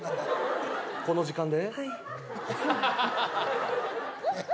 この時間で？